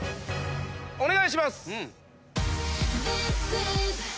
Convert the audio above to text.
お願いします！